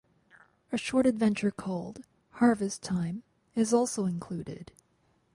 A short adventure called "Harvest Time" is also included.